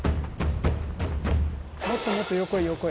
もっともっと横へ横へ。